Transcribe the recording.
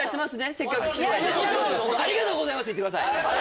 せっかく来ていただいてありがとうございます言ってください